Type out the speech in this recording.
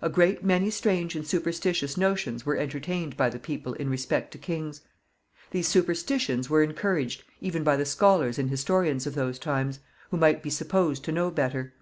A great many strange and superstitious notions were entertained by the people in respect to kings. These superstitions were encouraged, even by the scholars and historians of those times, who might be supposed to know better.